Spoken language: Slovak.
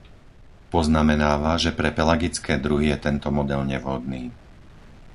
Poznamenáva, že pre pelagické druhy je tento model nevhodný.